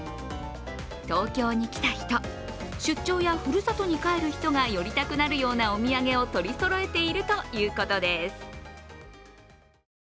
東京に来た人、出張やふるさとに帰る人が寄りたくなるようなお土産を取りそろえているということです。